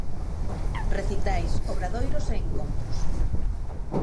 Recitais, obradoiros e encontros.